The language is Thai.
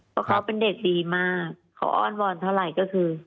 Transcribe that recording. เพราะเขาเป็นเด็กดีมากเขาอ้อนวอนเท่าไหร่ก็คือ